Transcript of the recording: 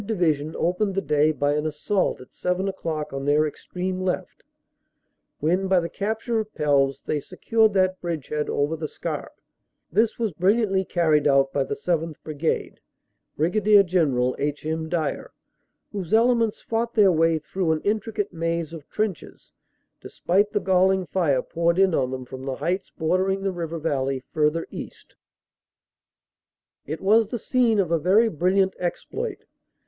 Division opened the day by an assault at seven o clock on their extreme left, when by the cap ture of Pelves they secured that bridgehead over the Scarpe. This was brilliantly carried out by the 7th. Brigade, Brig. General H. M. Dyer, whose elements fought their way through an intricate maze of trenches, despite the galling fire poured in on them from the heights bordering the river valley further east. It was the scene of a very brilliant exploit.